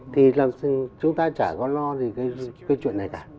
thì chúng ta chả có lo gì cái chuyện này cả